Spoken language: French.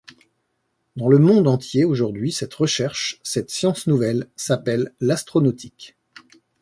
Dans le monde entier, aujourd'hui, cette recherche, cette science nouvelle, s'appelle l'astronautique.